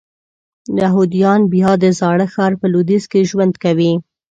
یهودیان بیا د زاړه ښار په لویدیځ کې ژوند کوي.